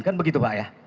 kan begitu pak ya